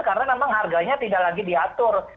karena memang harganya tidak lagi diatur